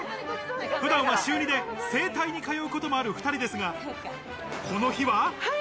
普段は週２で整体に通うこともある２人ですが、この日は。